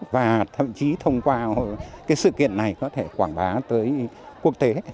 và thậm chí thông qua sự kiện này có thể quảng bá tới quốc tế